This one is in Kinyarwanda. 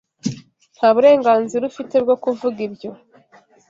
Nta burenganzira ufite bwo kuvuga ibyo.